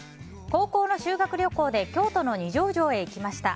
高校の修学旅行で京都の二条城へ行きました。